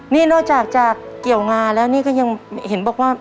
นี่นอกจากจะเกี่ยวงาแล้วนี่ก็ยังเห็นบอกว่า